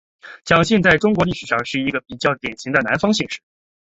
蒋姓在中国历史上是一个比较典型的南方姓氏。